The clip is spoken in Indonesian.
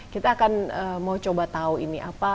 kita akan mau coba tahu ini apa